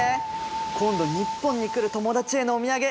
今度日本に来る友達へのお土産。